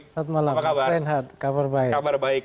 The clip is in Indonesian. selamat malam mas reinhardt kabar baik